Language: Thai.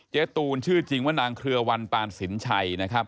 เจ๊ตูลชื่อจริงว่านางเครือวัลปานสินชัย